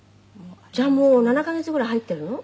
「じゃあもう７カ月ぐらい入ってるの？」